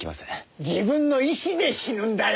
自分の意思で死ぬんだよ。